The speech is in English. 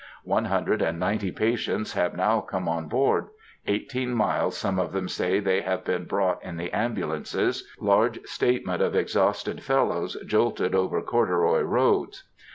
One hundred and ninety patients have now come on board; eighteen miles some of them say they have been brought in the ambulances (large statement of exhausted fellows jolted over corduroy roads)....